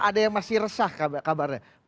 ada yang masih resah kabarnya